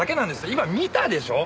今見たでしょう！？